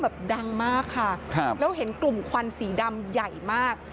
แบบดังมากค่ะครับแล้วเห็นกลุ่มควันสีดำใหญ่มาก